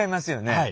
はい。